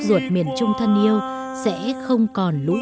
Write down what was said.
khi mà hát cái khúc này